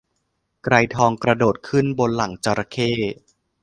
ไกรทองกระโดดขึ้นบนหลังจระเข้